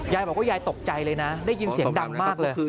ยายบอกว่ายายตกใจเลยนะได้ยินเสียงดังมากเลย